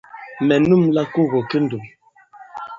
Mɛ̀ nûmla kogo ki ndùm.